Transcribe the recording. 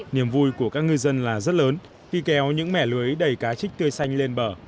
niềm vui của các ngư dân là rất lớn khi kéo những mẻ lưới đầy cá trích tươi xanh lên bờ